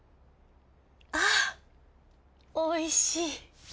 あおいしい。